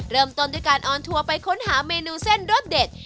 เริ่มต้นด้วยการออนทัวร์ไปค้นหาเมนูเส้นรสเด็ด